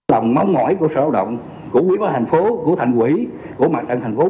lòng mong mỏi của sở lao động của quý bà thành phố của thành quỷ của mặt trận thành phố